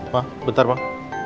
pak bentar pak